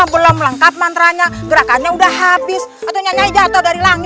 ketuk ketuk pintu bagaimana salah didinya atu